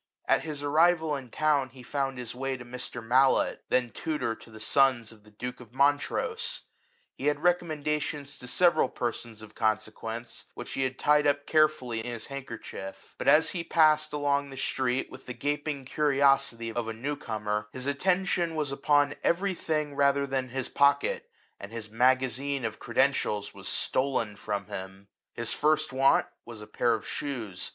At his arrival in town he found his way to Mr. Mallet, then tutor to the sons of the duke of Montrose* He had recommenda tions to several persons of consequence, which he had tied up carefully in his hand kerchief ; but as he passed along the street, with the gaping curiosity of a new comer, his attention was upon every thing rather than his pocket, and his magazine of cre dentials was stolen from him^ H I s first want was a pair of shoes.